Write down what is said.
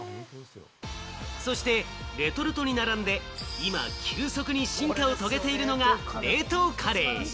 そしてレトルトに並んで今、急速に進化を遂げているのが冷凍カレー。